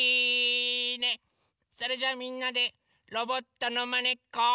それじゃあみんなでロボットのまねっこ。